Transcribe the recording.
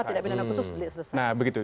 semua tindak pidana khusus delik selesai